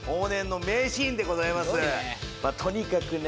まあとにかくね